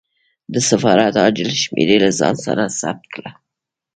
د سفارت عاجل شمېرې له ځان سره ثبت کړه.